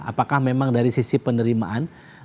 apakah memang dari sisi penerimaan